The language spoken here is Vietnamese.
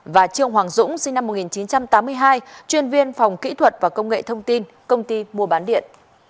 và trương hoàng dũng sinh năm một nghìn chín trăm tám mươi hai chuyên viên phòng kỹ thuật và công nghệ thông tin công ty mua bán điện